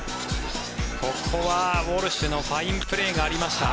ここはウォルシュのファインプレーがありました。